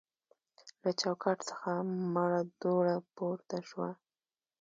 له چوکاټ څخه مړه دوړه پورته شوه.